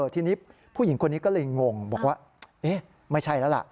ทีนี้ผู้หญิงคนนี้ก็เลยงงบอกว่าเอ๊ะไม่ใช่แล้วล่ะ